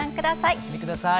お楽しみ下さい。